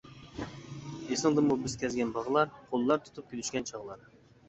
ئىسىڭدىمۇ بىز كەزگەن باغلار، قوللار تۇتۇپ كۈلۈشكەن چاغلار.